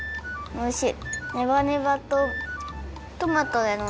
おいしい。